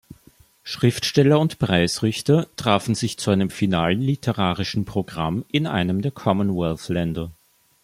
Schriftsteller und Preisrichter trafen sich zu einem finalen literarischen Programm in einem der Commonwealth-Länder.